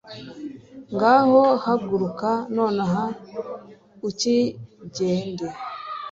Ngaho haguruka nonaha ukigende,